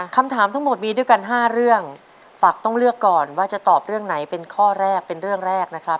คำถามทั้งหมดมีด้วยกัน๕เรื่องฝากต้องเลือกก่อนว่าจะตอบเรื่องไหนเป็นข้อแรกเป็นเรื่องแรกนะครับ